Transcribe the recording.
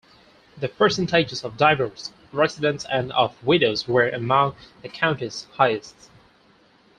The percentages of divorced residents and of widows were among the county's highest.